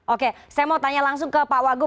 oke saya mau tanya langsung ke pak wagub